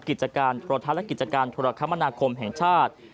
กิจการโทรทัศน์และกิจการธุรกรรมนาคมแห่งชาติ